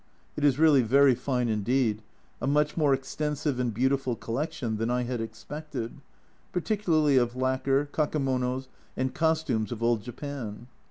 It is really very fine indeed, a much more extensive and beautiful collection than I had expected, particularly of lacquer, kakemonos, and costumes of old Japan.